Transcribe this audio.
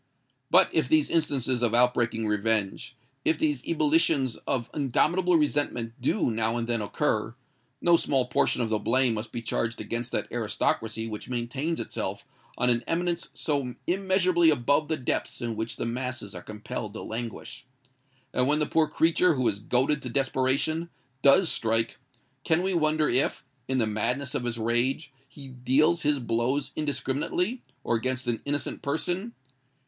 But if these instances of outbreaking revenge—if these ebullitions of indomitable resentment do now and then occur, no small portion of the blame must be charged against that aristocracy which maintains itself on an eminence so immeasurably above the depths in which the masses are compelled to languish. And when the poor creature who is goaded to desperation, does strike—can we wonder if, in the madness of his rage, he deals his blows indiscriminately, or against an innocent person?